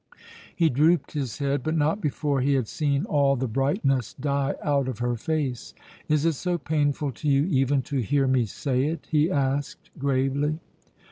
He drooped his head, but not before he had seen all the brightness die out of her face. "Is it so painful to you even to hear me say it?" he asked gravely.